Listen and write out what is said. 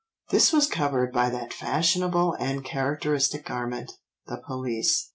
This was covered by that fashionable and characteristic garment, the pelisse.